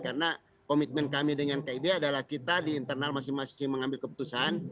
karena komitmen kami dengan kib adalah kita di internal masing masing mengambil keputusan